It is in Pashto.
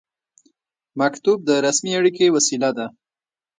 مکتوب د رسمي اړیکې وسیله ده